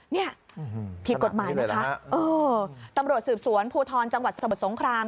เนี่ยผิดกฎหมายนะคะเออตำรวจสืบสวนภูทรจังหวัดสมุทรสงคราม